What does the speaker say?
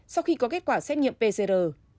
sau khi có kết quả xét nghiệm pcr